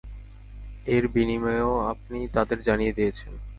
এর বিনিময়ও আপনি তাদের জানিয়ে দিয়েছেন।